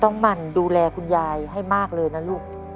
หมั่นดูแลคุณยายให้มากเลยนะลูก